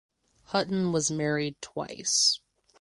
Hutton was married twice.